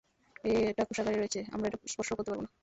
এটা কোষাগারে রয়েছে, আমরা এটা স্পর্শও করতে পারব না।